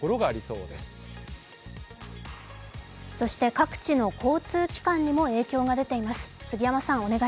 各地の交通機関にも影響が出ています。